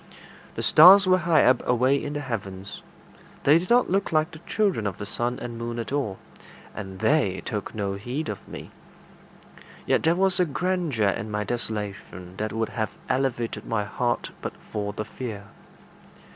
The stars were high up, away in the heavens. They did not look like the children of the sun and moon at all, and they took no heed of me. Yet there was a grandeur in my desolation that would have elevated my heart but for the fear.